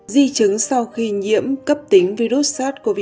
di chứng sau khi nhiễm cấp tính virus sars cov hai